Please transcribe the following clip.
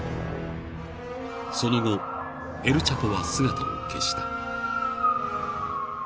［その後エル・チャポは姿を消した］